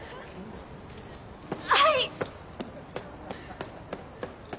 はい！